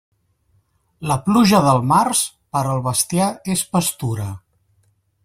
La pluja del març, per al bestiar és pastura.